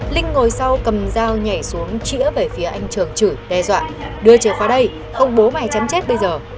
linh ngồi sau cầm dao nhảy xuống chỉa về phía anh trường chửi đe dọa đưa chìa khóa đây không bố mày chắn chết bây giờ